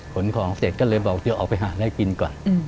ขนของเสร็จก็เลยบอกเดี๋ยวออกไปหาอะไรกินก่อน